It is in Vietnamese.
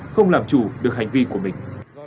không làm chủ được hành vi của mình